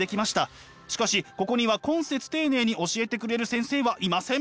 しかしここには懇切丁寧に教えてくれる先生はいません。